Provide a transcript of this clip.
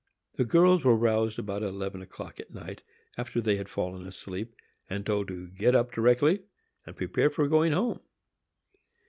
The girls were roused about eleven o'clock at night, after they had fallen asleep, and told to get up directly, and prepare for going home.